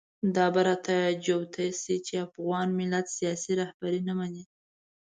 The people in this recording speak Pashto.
دا به راته جوته شي چې افغان ملت سیاسي رهبري نه مني.